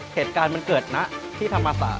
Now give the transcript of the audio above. เหตุการณ์มันเกิดนะที่ธรรมศาสต